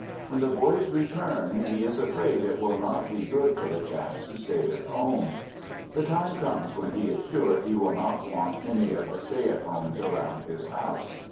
When the boys return, he is afraid " it will not be good for the chaps who stayed at home." The time comes when he is sure he will not want any of the stay at homes around his house!